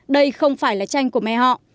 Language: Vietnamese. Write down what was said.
đây không phải là tranh của mẹ họ